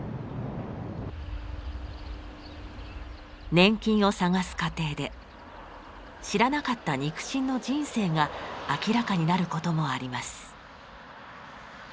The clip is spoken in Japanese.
年金を探す過程で知らなかった肉親の人生が明らかになることもあります。